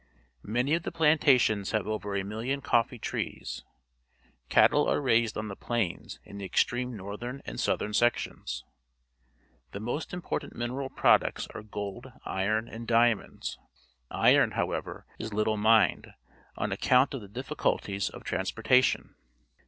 Many of the plantations have over a million coffee trees. Cattle are raised on the plains in the extreme noiTliern and southern sections. The most important nuneral products are gold, iron, and diamon ds. Iron, however, is little mined, on account of the difficulties of transportation.